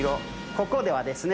ここではですね。